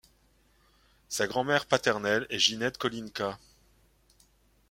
Sa grand-mère paternelle est Ginette Kolinka.